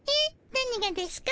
何がですか？